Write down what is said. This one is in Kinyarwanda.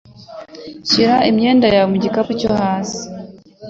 Shira imyenda yawe mu gikapu cyo hasi.